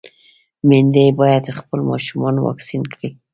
ميندې بايد خپل ماشومان واکسين کړي.